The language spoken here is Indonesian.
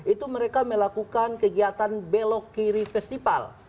itu mereka melakukan kegiatan belok kiri festival